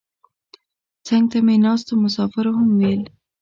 څنګ ته مې ناستو مسافرو هم ویل.